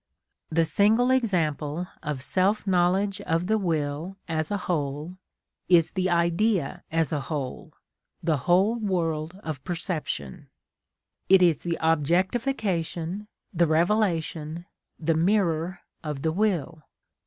The single example of self knowledge of the will as a whole is the idea as a whole, the whole world of perception. It is the objectification, the revelation, the mirror of the will.